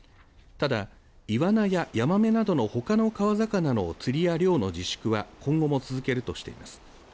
ただ、イワナやヤマメなどのほかの川魚の釣りや漁の自粛は今後も続けるとしています。